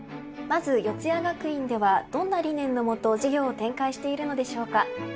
まず四谷学院ではどんな理念の下事業を展開しているのでしょうか？